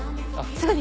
すぐに。